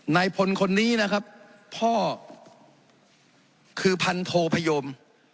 นายพลคนนี้นะครับพ่อคือพันโทพยม